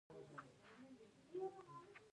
آیا پرنس اډوارډ ټاپو کچالو نلري؟